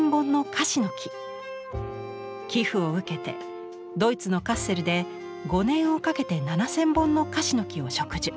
寄付を受けてドイツのカッセルで５年をかけて７０００本の樫の木を植樹。